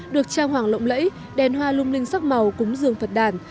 được trang hoàng lộng lẫy đèn hoa lung linh sắc màu cúng dường phật đàn